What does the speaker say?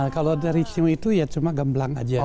kalau dari cium itu ya cuma gamblang aja